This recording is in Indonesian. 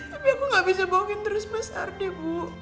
tapi aku gak bisa bohongin terus mas ardi bu